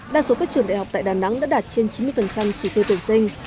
đa số các trường đại học tại đà nẵng đã đạt trên chín mươi trí tiêu tuyển sinh